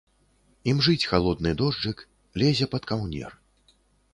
Імжыць халодны дожджык, лезе пад каўнер.